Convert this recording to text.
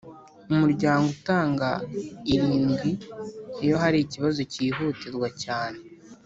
Umuryango utanga irindwi iyo hari ikibazo cyihutirwa cyane.